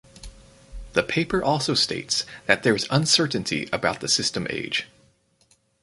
The paper also states that there is uncertainty about the system age.